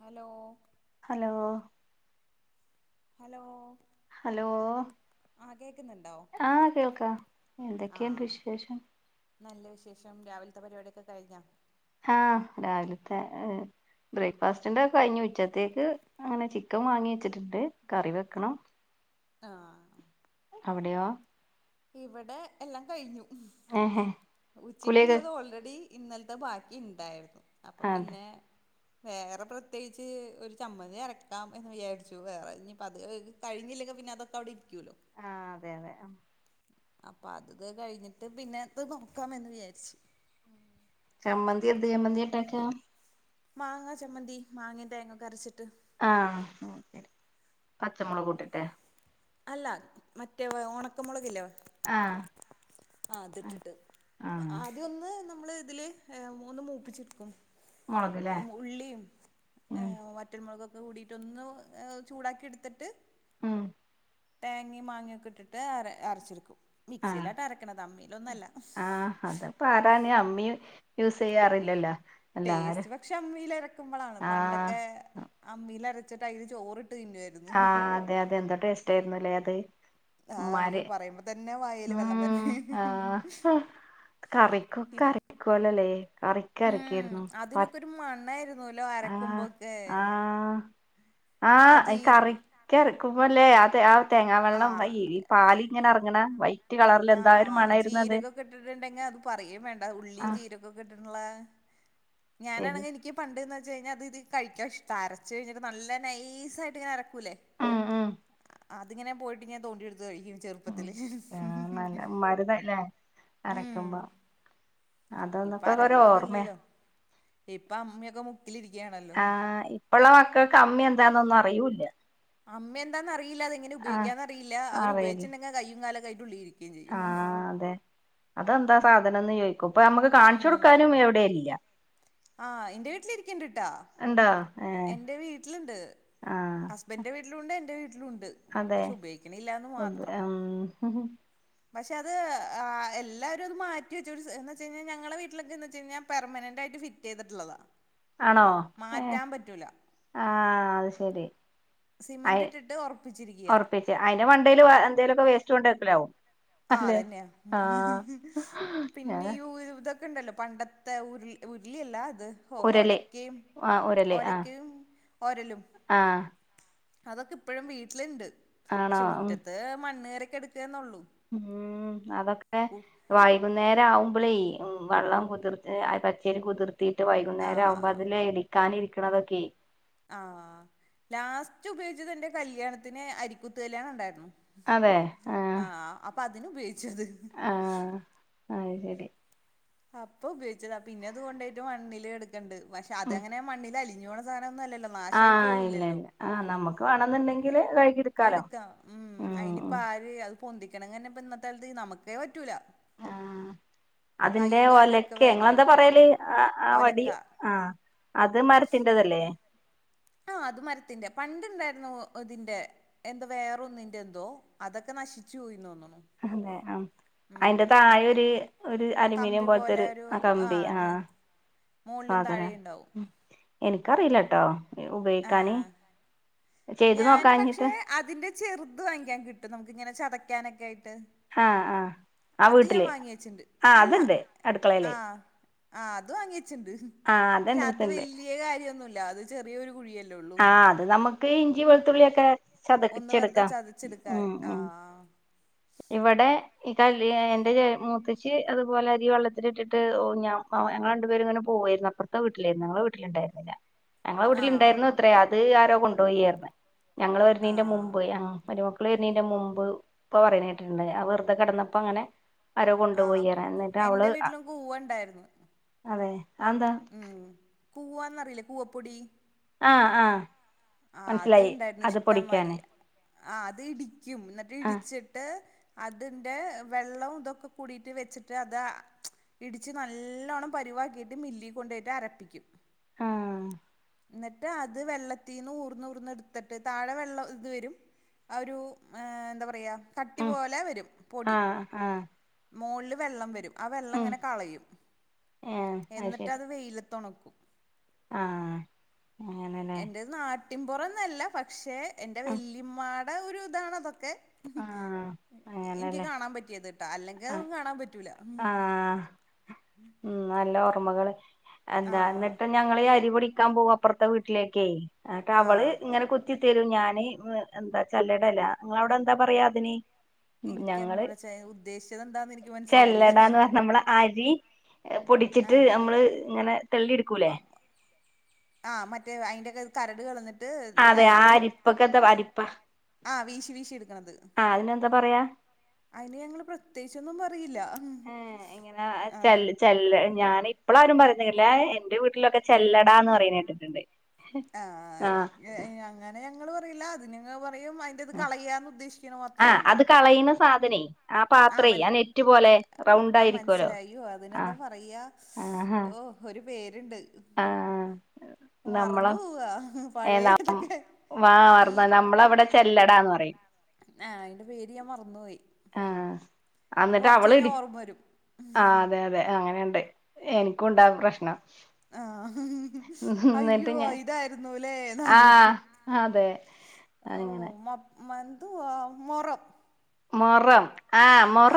Hello hello hello hello ആ കേക്കുന്നുണ്ടോ ആഹ കേൾക്കാ ആ എന്തൊക്കെയണ്ട് വിശേഷം നല്ല വിശേഷം രാവിലത്തെ പരിപാടിയൊക്കെ കഴിഞ്ഞാ ആഹ രാവിലത്തെ ഏർ ബ്രേക്ക്ഫാസ്റ്റിന്റെ കഴിഞ്ഞ ഉച്ചത്തേക്ക് അങ്ങനെ ചിക്കൻ വാങ്ങി വെച്ചിട്ടുണ്ട് കറി വെക്കണം ആഹ അവിടെയോ ഇവിടെ എല്ലാം കഴിഞ്ഞു ഏഹ് ഉച്ചക്ക് കുളിയൊക്കെ ഉള്ളത് ഓൾറെഡി ഇന്നലത്തെ ബാക്കി ഉണ്ടായിരുന്നു അപ്പൊ അതെ പിന്നെ വേറെ പ്രത്യേകിച്ച് ഒരു ചമ്മതി ഇറക്കാം എന്ന് വിചാരിച്ചു വേറെ ഇനിത് കഴിഞ്ഞില്ല വിനോദത്തോടെ ഇരിക്കൂലോ ആഹ അതെ അതെ അപ്പൊ അത്ത് കഴിഞ്ഞിട്ട് പിന്നെത് നോക്കാമന്ന് വിചാരിച്ചു ചമ്മന്തി ദിയ മന്തിട്ടക്ക മാങ്ങ ചമ്മന്തി മാങ്ങ തേങ്ങൊക്കെ അരച്ചിട്ട് ആഹ ശരി പച്ചമുളക് കൂട്ടിട്ടെ അല്ല മറ്റേ ഓണക്ക മുളകില്ലേ ആഹ് ആതിട്ടിട്ട് ആഹ് ആദ്യം ഒന്ന് നമ്മള് ഇതില് ഒന്ന് മൂപ്പിച്ചെടുക്കും മുളക്ല്ലേ ഉള്ളിയും ഏ ഉം മറ്റൻമുളക് കൂടിട്ടൊന്ന് ചൂടാക്കി എടുത്തിട്ട് ഉം തേങ്ങി മാങ്ങൊക്കെ ഇട്ടിട്ട് അര അരച്ചിരിക്കും ആഹ് മിക്സിയിലിട്ട് അരക്കണത് അമ്മി ആഹ് അതപ്പ ആരാണ് അമ്മി യൂസ് ചെയ്യാറില്ലല്ലോ എല്ലാരും ടേസ്റ്റ് പക്ഷെ അമ്മിൽ ഇറക്കുമ്പോളാണ് ആഹ് പണ്ടൊക്കെ അമ്മിൽ ഇരച്ചിട്ട് അതിന് ചോറ് ആഹ അതെ അതെ എന്താ ടേസ്റ്റ് ആയിരുന്നല്ലേ അത് ആ ഉ അയ്യോ മരെ പറയുമ്പോ തന്നെ വായേല് ഉ വെള്ളം വരണു ആഹ കറിക്കൊക്കെ അരിക്കുവലല്ലേ ഉം കറിക്കരക്കിവായിരുന്നു പ അതിനൊക്കെ ഒരു മണായിരുന്നുല്ലോ ആഹ അരക്കുമ്പോക്കെ ആ ആ ആഹ ജീര കറിക്ക ഇറക്കുമ്പോല്ലേ ആ തേങ്ങാ വെള്ളം വൈ പാല് ഇങ്ങനെ ഇറങ്ങണ വൈ ആ് ജീരൊക്കോക്കെ ഇട്ടിട്ടുണ്ടെങ്കിൽ അത് പറയും വേണ്ട ഉള്ളിയും ആഹ് ജീരക്കൊക്കെ ഇട്ടിട്ട ശരി ഞാനാണെങ്കിൽ എനിക്ക് പണ്ട് കഴിഞ്ഞ അത് ഇത് കഴിക്കാൻ ഇഷ്ടം അരച്ച കഴിഞ്ഞിട്ട് നല്ല നൈസ ആയിട്ട് ഇങ്ങനെ അറക്കൂല്ലേ ഉം ഉം അതിങ്ങനെ പോയിട്ട് ഞാൻ തോണ്ടിയെടുത്ത് കഴിക്കും ചെറുപ്പത്തില് ആ നല്ല മരന്ന്ല്ലേ ഉം അരക്കുമ്പോ അതൊന്നക്കെ ഒരു ഓർമ്മയ ഇപ്പം അമ്മിക്കെ പോ ആ ഇപ്പുള്ള മക്കൾക്ക് അമ്മി എന്താന്നൊന്നും അറിയൂല്ല അമ്മയ എന്താന്ന് അറിയില്ല അമ്മിയന്തന്നറിയില്ല അത്ങ്ങനെ ആഹ് ഉപോഗിക്കാന്ന അറിയില്ല അവര് ഉപയോഗിച്ചിട്ടുണ്ടെങ്കി കയ്യും കാലൊക്കെ അയിന്റെ ഉള്ളിക്ക് ആഅതെ അതെന്താ സാധനന്ന് ചോയി ഇപ്പൊ നമ്മുക്ക് കാണിച്ചു കൊടുക്കാനും എവിടെ ഇല്ല ആ എറെ വീട്ടിലിരിക്കണ്ട് ട്ടാ ഉണ്ടോ ഏഹ് എന്റെ വീട്ടിലുണ്ട് ഹസ്ബൻന്റെ വീട്ടിലുണ്ട് എൻറെ വീട്ട അഥെ മാത്രം [unintelligible] പക്ഷെ അത് എല്ലാരുംത് മാറ്റിെച്ച എന്ന് വെ കഴിഞ്ഞാൽ ഞങ്ങളടെ വീട്ടിലൊക്കെന്ന് വ കഴഞ്ഞാ പെർമനന്റ് ട്ട് ഫിറ്റ് ചെയ്തിട്ടുള്ളതാ ആണോ ഏ മാറ്റാൻ പറ്റൂല സിമെന്റ് ഇട്ടിട്ട്റപ്പ ഉറപ്പിച്ച് അതിന് മേണ്ടൽ എന്തേലൊക്കെ വേസ്റ്റ് കൊണ്ടക്കലാവും ആ അല്ലെ തന്നെയ ആഹ് പിന്നെ ഞാൻ ഇതൊ ണ്ടല്ലോ പണ്ടത്തെ ഉരു ഉരുളിയല്ല അ ഉരല് ഒലക്ക ഒലക്ക ഒരലും ആ അതൊക്കെ ഇപ്പഴും വീട്ടിലുണ്ട് ആണോ പക്ഷെ ഉം മുറ്റത്ത് മണ്ണ് കേറിക്കിടക്കാന്നൊള്ളു ഉം അതൊക്കെ വൈകുന്നേര ആവും വെള്ളം കുതിർ പച്ചരി കുതിർത്തിയിട്ട് വൈകുന്നേരം ആവുമ്പോൾ ആഹ് അതില് എ ഇടിക്കാനരിക്ക രിക്കണതൊക്കെ ആ ലാസ്റ്റ് ഉപയോഗിച്ചത് എന്റെ കല്യാണത്തിന് അരിക്കുത്തുകല്യാണ ഉണ്ടായിരുന്നു അതെ ആ ആഹ് അപ്പൊ അതിന് ഉപയോഗിച്ചത് അത് ശരി അപ്പൊ ഉപയോഗിച്ചതാ പിന്നെ അതുകൊണ്ടായിട്ട് മണ്ണില് എടുക്കണ്ടണ്ട് പക്ഷെ അതെങ്ങനെ മണ്ണിൽല്ല അഞ്ഞോ സധന ഒന്നല്ല ആഹ ഇല്ല ഇല്ല ആഹ നമ്മുക്ക് വേണെന്നുണ്ടെങ്കില് കഴുകിയെടുക്കാലോ എടുക്കാം ഉം അയിനിയിപ്പ ആര് അത് പൊന്തിക്കണംങ്ങനെ ഇപ്പ ഇന്നത്തൊലത്ത് നമുക്കേ പറ്റൂല ആഹ അതിന്റെ കയ്യും കാലും ഒക്കെ ഒലക്കെ ങ്ങെന്താ വേദനയാവും പറയല് ആ ഒലക്ക വടിയോ ആ അത് മരത്തിന്റെതല്ലേ ആഹ അത് മരത്തിന്റെ പണ്ടുണ്ടായിരുന്നു ഇതിന്റെ എന്താ വേറെ ഒന്നിറെ എന്തോ അതൊക്കെ നശിച്ചു പോയിന്നോന്നും അതെ ആഹ അയിന്റെ താഴെൊ മറ്റേ ഒരു ഒരു അലൂമിനിയം കമ്പി പോലത്തെ പോലെ ഒരു ആ കമ്പി ആഹ അത് മോളിലും സാധന താഴെയും ഉണ്ടാവും എനിക്കറിയില്ലട്ടോ ഉപയോഗിക്കാന് ചെയ്ത് ഞാാന് നോക്കാഞ്ഞിട്ട് പക്ഷെ അതിന്റെ ചെറുത് വാങ്ങിക്കാൻ കിട്ടും നമുക്ക്ിങ്ങനെ ചതക്കാനൊക്കെ ആയിട്ട് ആഹ ആഹ ആ അത് ഞാൻ വീട്ടില് വാങ്ങി വെച്ചിണ്ട് ആഹ അതുണ്ട് അടുക്കളയിലേ ആഹ അത് വാങ്ങിച്ചിണ്ട് പക്ഷെ അതെന്റെ അത് അടുത്തുണ്ട് വലിയ കാര്യൊന്നുമല്ല അത് ചെറിയൊരു കുഴിയല്ല ആഹ അത് നമ്മുക്ക് ഇഞ്ചി വെളുത്തുള്ളിൊക്കെ ഒന്ന് വെറുതെ ചതക്കിച്ചെടുക്കാം ചതച്ചെടുക്കാൻ ഉം ഉ ആഹ് ഇവിടെ ഈ കല് എന്റെ മുത്തച്ച്ച് അതുപോലെ അരി വെള്ളത്തില ഇട്ടിട്ട് ഞ ഞങ്ങൾ രണ്ടുപേും ഇങ്ങനെ പോകും പോയിരുന്നപ്പറത്തെ വീട്ടില നിങ്ങള വീട്ടില ഉണ്ടായിരുന്നില്ല ഞങ്ങളെ വീട്ടില ആഹ് ഇണ്ടായിരുന്നു അത്രയാ അത് ആരോ കൊണ്ടുപോയിയായിരുന്നു ഞങ്ങൾ ഒരുണീന്റെ ആഹ് മുമ്പ് ഞമ മീന്റെ മുമ്പ് ഇപ്പൊ പറയുന്നിട്ടുണ്ട് ആ വെറുതെ കിടന്നപ്പോ അങ്ങനെ ആരോ ആഹ് കൊണ്ടുപോയിറ എന്നിട്ട് അവള് എന്റെ വീട്ടിലും കൂവ ഉണ്ടായിരുന്നു അതെ അഹ് ന്താ കൂവന്ന്റിയില്ല കൂവപ്പൊടി ആഹ ആഹ ആ അത് ഇണ്ടായിരുന്നു ഇഷ്ടംമാരി ആ അത് ഇടി ും എന്നിട്ട് ആഹ് ഇടിച്ചിട്ട് അതിന്റെ വെള്ളം ഇതൊക്കെ കൂടിട്ട് വെച്ചിട്ട് അത് ഇടിച്ച്ു നല്ലോണ്ണം പരുവാക്കിട്ട് മില്ലി കൊണ്ടയിട്ട് അരപ്പിക്കും ആഹ് എന്നിട്ട് അത് വെള്ളത്തി ള്ളതിന്ന് ഊർന്ന ർന്ന എടുത്തിട്ട് താഴെ വെള്ളം ഇത് വരും ആ ഒരുഹ് എന്താ പറയാ തട്ടി ഉം പോലെ വരും പൊടി ആഹ് ആഹ് മോളിൽ വെള്ളം വരും ആ വെള്ളം ഉം ഇങ്ങനെ കളയും ഏഹ് എന്നിട്ട് അത് വെയില തുണുക്കും ആഹ എൻറ നാട്ടിൻപുറന്നല്ല പക്ഷേ എന്റെ ഉം വെല്ലിമാടെ ഒരു ഇതാണ അതൊക്കെ ആഹ് എനിക്ക് അങ്ങനെല്ലേ കാണാൻ പറ്റിയത് കേട്ടാ അല്ലെങ്കിൽ അതും കാണാൻ പറ്റൂല ആഹ ഉം നല്ല ഓർമ്മകള് എന്താ ആഹ് എന്നിട്ട് ഞങ്ങീ അരിപൊടിക്കാൻ പോകും അപ്പുറത്തെ വീട്ടിലേക്കട്ട് അവള് ആഹ് ഇങ്ങനെ കുത്തി തരൂ ഞാാന് എന്താ ചല്ലടല്ല നിങ്ങ അവിടെ എന്താ പറയാ അതിന് എനിക്ക് എന്നോടെ ഉദ്ദേശിച്ചത എന്താന്ന് എനിക്ക് മനസ്സിലായില്ല ചെല്ലടന്ന് പറഞ്ഞ നമ്മളുടെ അരി പൊടിച്ചിട്ട് ആഹ് നമ്മള് ഇങ്ങനെ തള്ളിെടുക്കൂലേ പ ആഹ് മറ്റേ അയിന്റെൊക്കെ കരട് കളന്നിട്ട് അതെ ആ അരിപ്പൊക്കെന്ത അരിപ്പ ആഹ വീശി വീശി എടുക്കണത് ആഹ് അതിനെന്താ പറയാ അതിന് ഞങ്ങള് പ്രത്യേകിച്ചൊന്നും പറ ആ ഇങ്ങനെ ആഹ് ചല്ല് ചല്ല് ഞാന എളാരും പറയില്ല എന്റെ വീട്ടിലൊക്കെ ചെല്ലടാ എന്ന് പറയുന്ന കേട്ടിട്ടുണ്ട് ആ ആഹ് എ അങ്ങനെ ഞങ്ങള്ൾ പറയില്ല അതി അതിന്റെത് കളയാന്ന് ഉദ്ദേശിക്കണ ആ മാത്രേ ഉള്ളൂ അത് കളയുന്ന സാധനേ ആ ആഹ് പാത്രേ മൻ നെറ്റ്പൊലെ റൗണ്ടായിയിരിക്കുവല്ലോ ആഹ ഓ ഒരു പേരുണ്ട് ആഹ് നമ്മളോ മറന്നു പോവാ. ഏ [unintelligible] പഴയതൊക്കെ നമ്മളവിടെ ചെല്ലടാ ന്ന് പറയും. ആഹ അയിന്റെ പേര് ഞാൻ മറന്നുപോയി. ഇനി എന്നിട്ട് കൊറച്ച് അവള കഴിഞ്ഞാ ഇടി ഓർമ്മ വരും ആ അതെ അതെ അങ്ങനെയുണ്ട് എനിക്കും ഇണ്ടാ പ്രശ്നം. ആഹ ഹ ഹ ഹ എന്നിട്ട് അയ്യോ ഞാൻ ഇതായിരുന്നു. ലേ ന്ന് ആഹ് അലോയ്ക്കും അതെ അങ്ങനെ [unintelligible] [unintelligible] മൊറം മുറം ആ്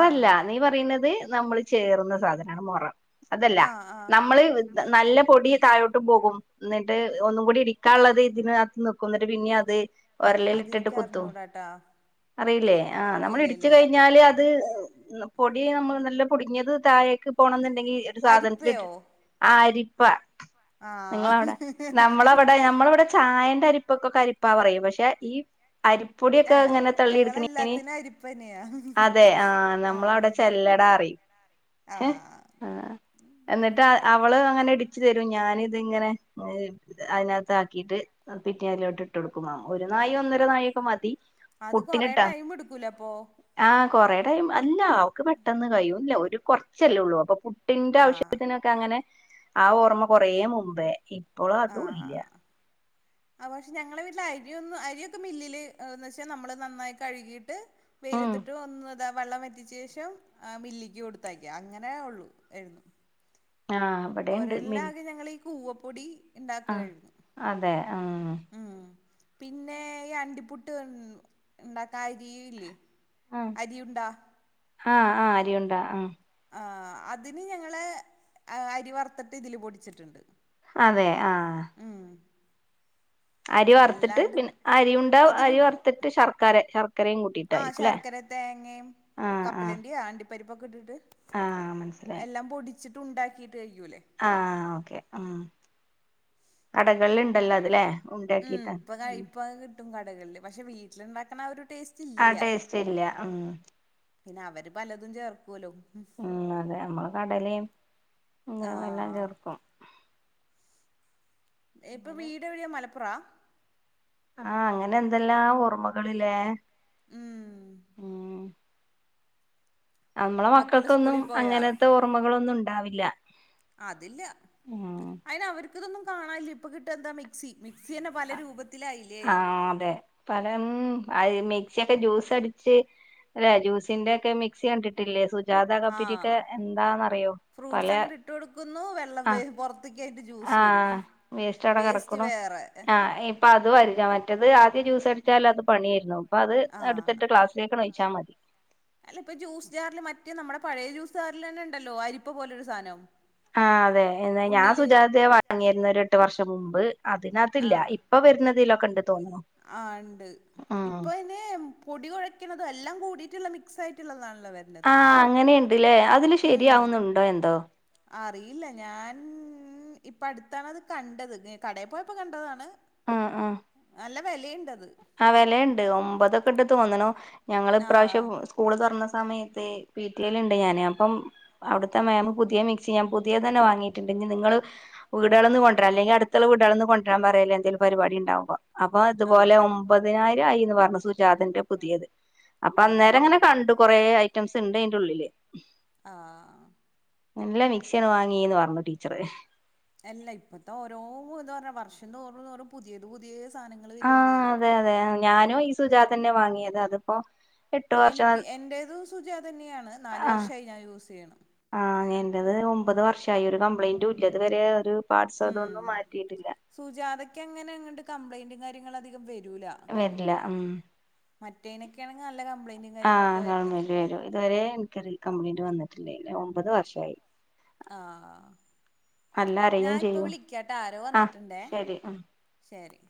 ആഹ് നീ പറയുന്നത് നമ്മൾ ചേറുന്ന സാധനാ മുറം. അതല്ല ആഹ് ആഹ് നമ്മള് [inaudible] നല്ല പൊടി താഴോട്ട് പോകും ന്നിട്ട് ഒന്നും കൂടി ഇടിക്കാനുള്ളത് ഇതിനകത്ത് നിക്കും എന്നിട്ട് പിന്നെ അത് ഒരളില ഇട്ടിട്ട് അതെനിക്ക് കുത്തും. അറിഞ്ഞൂടാട്ടാ അറിയില്ലേ ആഹ് നമ്മള ഇല്ല ഇടിച്ച ഇല്ല ഇല്ല കഴിഞ്ഞാല് [unintelligible] [unintelligible] പൊടി നമ്മൾ നല്ല പൊടുങ്ങിയത് [unintelligible] പോണംന്നുണ്ടെങ്കി ഒരു അരിപ്പയോ സാധനത്തിട്ട് ആ അരിപ്പ. ആഹ് നിങ്ങളവിടെ നമ്മളവിടെ നമ്മളിവിടെ ചായ [inaudible] അരിപ്പൊക്കെ അരിപ്പ പറയും പക്ഷേ ഈ ആഹ് അരിപ്പൊടിയൊക്കെ തള്ളിയെടുക്കുന്ന [unintelligible] ഞങ്ങളെല്ലാത്തിനും അരിപ്പന്നെയാ അതെ ഹ നമ്മൾ ആഹ് അവിടെ ചെല്ലടാറയും ഹേ ആഹ് ആ എന്നിട്ട് അവള് അങ്ങനെ ഇടിച്ചു [unintelligible] ഞാന് ഇത് ഇങ്ങനെ ഈ അതിനത്താക്കിട്ട് [unintelligible] ഇട്ട് കൊടുക്ക ഒന്നര [unintelligible] ഒക്കെ മതി. അത് കൊറ പുട്ടിനിട്ടാ ടൈം എടുക്കൂല അപ്പൊ ആ കൊറേ ടൈം അല്ല അവക്ക് പെട്ടെന്ന് കഴിയും ഒരു കുറച്ചല്ലേ ഉള്ളൂ അപ്പൊ [inaudible] [unintelligible] ആഹ് ആവശ്യത്തിനൊക്കെ അങ്ങനെ ആ ഓർമ്മ കൊറ മുമ്പേ. തുള അതുംല്യ അ പക്ഷെ ഞങ്ങളെ വീട്ടില് അരിയൊന്നും അരിയൊക്കെ മില്ലില് വച്ചാ നമ്മള് നന്നായി കഴുകിട്ട് ഉം വെയിലത്തിട്ട് [unintelligible] വെള്ളം വറ്റിച്ച ശേഷം ആ മില്ലിക്ക് കൊടുത്താക്കിയ അങ്ങനെ ഉള്ളു [unintelligible] ആ ഇവിടെണ്ട് ഒരെല്ലാ മിൽ ആകെ ഞങ്ങളീ കൂവപ്പൊടി ആ ഇണ്ടാക്കായിരുന്നു അതെ ആ ആ ഉം പിന്നെ ഈ അണ്ടിപുട്ട് ഉം [unintelligible] അരിയുണ്ടാ. ഹ ആ അരിയുണ്ട ആ. ആ അതിന് ഞങ്ങള് അരി വറുത്തിട്ട് ഇതില് പൊടിച്ചിട്ടുണ്ട്. അതെ ആഹ ഉം അരി വറുത്തിട്ട് അല്ലാണ്ട് പിന്നെ അരിയുണ്ട ഇതില് അരി വറുത്തിട്ട് ശർക്കര ശർക്കരയും ആ കൂട്ടിട്ടായിരിക്കുംല്ലേ ശർക്കര തേങ്ങയും കപ്പലണ്ടിയാ [unintelligible] പരിപ്പൊക്കെ ഇട്ടിട്ട് ആഹ് എല്ലാം പൊടിച്ചിട്ട് ഉണ്ടാക്കി. ആഹ ഓക്കെ ഉം, കടകളിൽണ്ടല്ലോ അത് ലേ ഉം ഇപ്പൊ ഇപ്പൊ കിട്ടും കടകളില് പക്ഷെ വീട്ടിലുണ്ടാക്കണ ഒരു ടേസ്റ്റ് ആ ഇല്ല ടേസ്റ്റ് ഇല്ല ഉം. പിന്നെ അവര് പലതും ചേർക്കുമല്ലോ. ഉം അതെ നമ്മള് കടലയും ഇങ്ങനെയ എല്ലാം ആ ചേർക്കും. ഇപ്പൊ വീട് എവിടെയാ മലപ്പുറ. ആ അങ്ങനെ എന്തെല്ലാ ഓർമ്മകൾ ലേ. ഉം നമ്മളെ മക്കള് മക്കൾക്കൊന്നും സ്കൂളിൽ പോയാ അങ്ങനത്തെ ഓർമ്മകളൊന്നും ഉണ്ടാവില്ല. അതില്ല ഉം അയിന അവർ. ഇതൊന്നും കാണ ഇല്ല, ഇപ്പൊ കിട്ടാൻ എന്താ മിക്സി മിക്സി തന്നെ പല [unintelligible] ആഹ അതെ പരം അത് മിക്സി ഒക്കെ ജ്യൂസ് അടിച്ച് [unintelligible] ജ്യൂസിന്റെ ഒക്കെ മിക്സി കണ്ടിട്ടില്ലേ ആഹ് [unintelligible] എന്താന്നറിയോ പല ഫ്രൂട്ട്സ് അങ്ങട്ട് ഇട്ട് കൊടുക്കുന്നു വെള്ളം ആ വേ പുറത്തേക്ക് അതിന്റെ ജ്യൂസ് വരും ആഹ വേസ്റ്റവടെ വേസ്റ്റ് കിടക്കണു വേറെ ആ ഇപ്പ അത് [unintelligible] മറ്റത് ജ്യൂസടിച്ചാല് അത് പണിയായിരുന്നു. അപ്പൊ അത് ആഹ് എടുത്തിട്ട് ക്ലാസ്സിലേക്ക് നയിച്ചാൽ മതി അല്ല ഇപ്പ ജ്യൂസ് ജാറില് മറ്റേ നമ്മളെ പഴയ ജ്യൂസ് ജാറിലന്നെ ഉണ്ടല്ലോ അരിപ്പ പോലൊരു സാധനം ആഹ് അതെ എന്നാ ഞാൻ ഉള്ളില് സുജാതയാ വാങ്ങിരുന്നെ എട്ട് വർഷം മുമ്പ് അതിനകത്ത് ഇല്ല, ആഹ് ഇപ്പൊ വരുന്നതിലൊക്കെണ്ട്. ആഹ് ഉണ്ട്, ഇപ്പൊ പിന്നെ പൊടി കുഴക്ക്‌ണതും എല്ലാം കൂടീട്ടുള്ള മിക്സ് ആയിട്ടുള്ളതാണ്. ആഹ് അങ്ങനെയ്ണ്ട്ല്ലേ, അതില് അത് ശരിയാവുന്നുണ്ടോ എന്തോ അറിയില്ല ഞാൻ ഇപ്പട്ത്താണത് കണ്ടത്, കടെ പോയപ്പോ കണ്ടതാണ് ആഹ് ആഹ് നല്ല വെലയ്ണ്ടത്. ആഹ് വെലയ്ണ്ട്, ഒമ്പതൊക്കെണ്ട് തോന്ന്ണു. ഞങ്ങള് ആഹ് ഇപ്രാവിശ്യം സ്കൂള് തുറന്ന സമയത്തെ വീട്ടില്ണ്ട് ഞാന്, അപ്പം അവിടുത്തെ മേമ പുതിയ മിക്സി ഞാൻ പുതിയതന്നെ വാങ്ങിട്ട്ണ്ട്. പിന്നെ നിങ്ങള് വീടുകള്ന്ന് കൊണ്ടരാ അല്ലെങ്കിൽ അടുത്തുള്ള വീട്കളിന്ന് കൊണ്ടുരാൻ പറയല് എന്തെങ്കിലും പരിപാടി ഇണ്ടാവുമ്പോ അപ്പൊ അതുപോലെ ഒ ആഹ് മ്പതിനായിരായിന്ന് പറഞ്ഞു സുജാതന്റെ പുതിയത്. അപ്പൊ അന്നേരം ആഹ് ഇങ്ങനെ കണ്ടു കൊറെ ഐറ്റംസ് ഇണ്ട് അയിന്റെ ഉള്ളില് ആഹ് നല്ല മിക്സിയന്നെ വാങ്ങീന്ന് പറഞ്ഞു ടീച്ചറ്. അല്ല ഇപ്പത്തൊരോ ഇത്ന്ന് പറഞ്ഞ വർഷം തോറും, തോറും പുതിയത് പുതിയേ ആഹ് അതെ, അതെ ഞാനും ഈ സുജാതന്നെ വാങ്ങിയത്. അതിപ്പോ എട്ട് എനിക്ക് വർഷം എന്റേതും സുജാതന്നെയാണ്. നാല് ആഹ് വർഷായി ഞാൻ യൂസ് ചെയ്യ്ണ്. ആഹ് എന്റേത് ഒമ്പത് വർഷായി ഒരു കംപ്ലൈന്റുല്ല ഇതുവരെ ഒര് ഉം പാദ്സാതൊന്നും മാറ്റിട്ടില്ല. സുജാതക്ക് അങ്ങനെ അങ്ങട്ട് കംപ്ലൈന്റും കാര്യങ്ങളും അധികം വരു വരില്ല. ഹ്മ്മ് മറ്റേനെക്കെയാണെങ്കിൽ ന ആഹ് കംപ്ലയിന്റ് വരും, ഇത് വരെ ഇൻക്ക് റീകംപ്ലയിന്റ് വന്നിട്ടില്ലെന്നു. ഒമ്പത് വർഷായി ആഹ്. നല്ല ഞാൻ അരയും ഇപ്പ ചെയ്യും വിളിക്ക്യാട്ടാ ആരോ ആ വന്ന്ട്ട്ണ്ടെ, ശരി ആ ശെരി